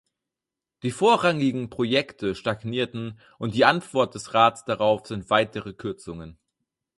Die vorrangigen Projekte stagnieren, und die Antwort des Rats darauf sind weitere Kürzungen.